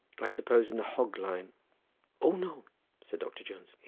I suppose in the hog line." "O no," said Doctor Jones.